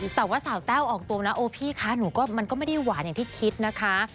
แต่ว่าสาวแต้วออกตัวนะโอ้พี่คะหนูก็มันก็ไม่ได้หวานอย่างที่คิดนะคะ